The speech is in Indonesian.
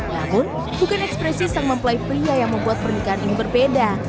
namun bukan ekspresi sang mempelai pria yang membuat pernikahan ini berbeda